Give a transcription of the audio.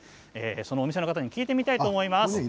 お店の方に聞いてみたいと思います。